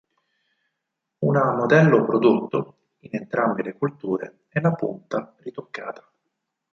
Una modello prodotto in entrambe le culture è la "punta ritoccata".